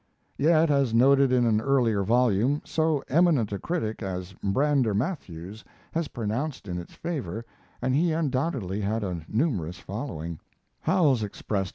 Yet, as noted in an earlier volume, so eminent a critic as Brander Matthews has pronounced in its favor, and he undoubtedly had a numerous following; Howells expressed.